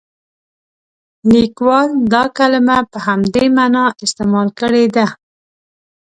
لیکوال دا کلمه په همدې معنا استعمال کړې ده.